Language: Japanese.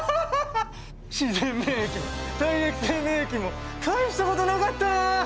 自然免疫も体液性免疫も大したことなかったな。